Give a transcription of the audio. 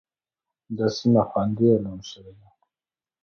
دا سيمه خوندي اعلان شوې ده.